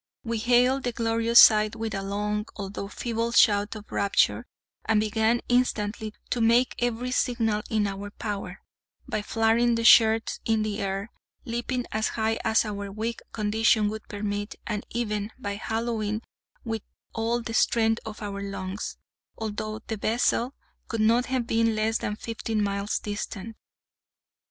_ We hailed the glorious sight with a long, although feeble shout of rapture; and began instantly to make every signal in our power, by flaring the shirts in the air, leaping as high as our weak condition would permit, and even by hallooing with all the strength of our lungs, although the vessel could not have been less than fifteen miles distant.